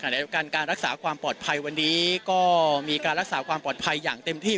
ในการการรักษาความปลอดภัยวันนี้ก็มีการรักษาความปลอดภัยอย่างเต็มที่